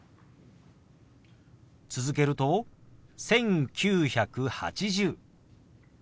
続けると「１９８０」。